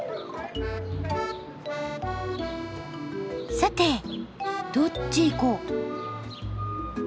さてどっちへ行こう。